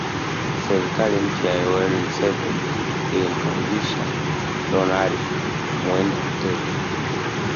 Serikali mpya ya Yoweri Museveni ilimkaribisha Ronald Muwenda Mutebi